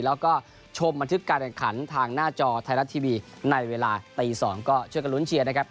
แล้วก็ชมบันทึกการแข่งขันทางหน้าจอไทยรัฐทีวีในเวลาตี๒ก็ช่วยกันลุ้นเชียร์นะครับ